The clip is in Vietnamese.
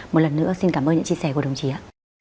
một lần nữa xin cảm ơn những chia sẻ của đồng chí ạ